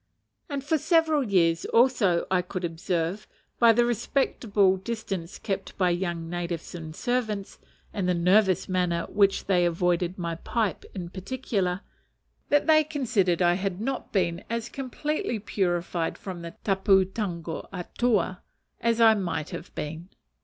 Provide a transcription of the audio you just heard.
And for several years also I could observe, by the respectable distance kept by young natives and servants, and the nervous manner with which they avoided my pipe in particular, that they considered I had not been as completely purified from the tapu tango atua as I might have been.